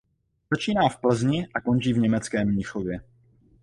Začíná v Plzni a končí v německém Mnichově.